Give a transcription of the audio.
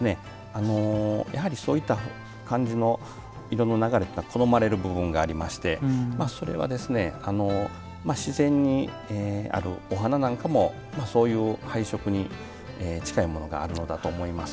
やはりそういった形の色の流れが好まれる部分がありましてそれは、自然にあるお花なんかもそういう配色に近いものがあるのだと思います。